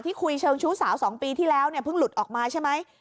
คุยเชิงชู้สาว๒ปีที่แล้วเนี่ยเพิ่งหลุดออกมาใช่ไหม